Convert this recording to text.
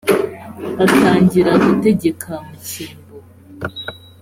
atangira gutegeka mu cyimbo